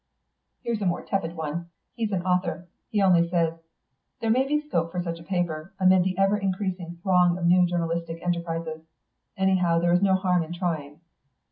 Here's a more tepid one he's an author. He only says, 'There may be scope for such a paper, amid the ever increasing throng of new journalistic enterprises. Anyhow there is no harm in trying.